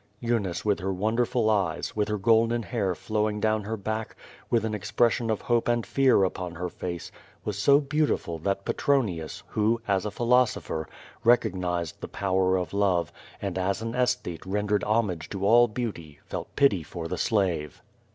Eunice, witti her wonderful eyes, with her golden hair flowing down her back, with an expression of hope and fear upon her face, was so beautiful that Petronius, who^ as a philosopher, recognized the power of love, and as QUO VADIS. 105 an aesthete rendered homage to all beauty, felt pity for the slave.